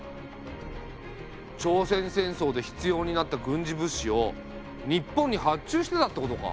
朝鮮戦争で必要になった軍事物資を日本に発注してたってことか。